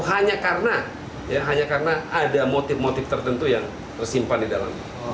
hanya karena ada motif motif tertentu yang tersimpan di dalam